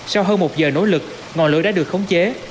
sau hơn một giờ nỗ lực ngọn lửa đã được khống chế